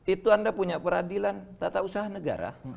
itu anda punya peradilan tata usaha negara